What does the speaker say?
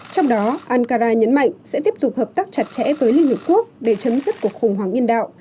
trong đó ankara nhấn mạnh sẽ tiếp tục hợp tác chặt chẽ với liên hợp quốc để chấm dứt cuộc khủng hoảng nhân đạo